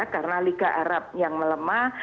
karena liga arab yang melemah